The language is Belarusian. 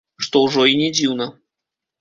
Што ўжо і не дзіўна.